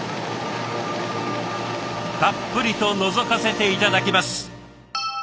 たっぷりとのぞかせて頂きます。